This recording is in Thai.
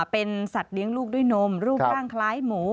เป็นสัตว์เลี้ยงลูกด้วยนมรูปร่างคล้ายหมู